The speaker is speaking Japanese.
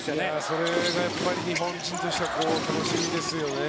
それがやっぱり日本人としては楽しみですよね。